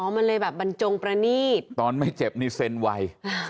มันเลยแบบบรรจงประนีตตอนไม่เจ็บนี่เซ็นไว